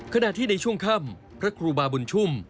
ขณะที่ในช่วงค่ำพระครูบาบุญชุ่ม